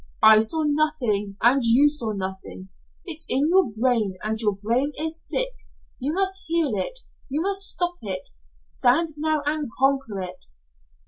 "I saw nothing, and you saw nothing. It's in your brain, and your brain is sick. You must heal it. You must stop it. Stand now, and conquer it."